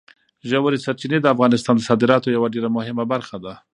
ژورې سرچینې د افغانستان د صادراتو یوه ډېره مهمه برخه ده.